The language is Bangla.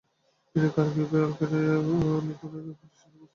তিনি খারকিভের অল-ইউক্রেনীয় ফটো সিনেমা প্রশাসনে কাজ করেছিলেন।